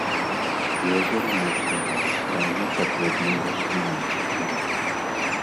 Возера моцна зарастае падводнай расліннасцю.